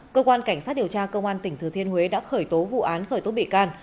cơ quan cảnh sát điều tra công an tỉnh thừa thiên huế đã khởi tố vụ án khởi tố bị can